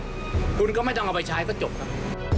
มีประโยชน์คุณก็ไม่ต้องเอาไปใช้ก็จบครับ